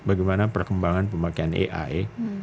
bagaimana perkembangan pemakaian ai